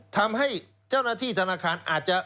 ทำให้เจ้าหน้าที่ธนาคารอาจจะ